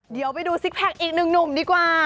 เดี๋ยวไปดูซิกแพคอีกหนึ่งหนุ่มดีกว่า